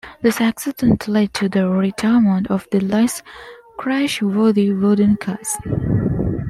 This accident led to the retirement of the less crashworthy wooden cars.